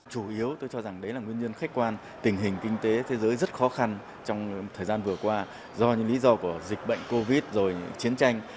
chủ yếu tôi cho rằng đấy là nguyên nhân khách quan tình hình kinh tế thế giới rất khó khăn trong thời gian vừa qua do những lý do của dịch bệnh covid rồi chiến tranh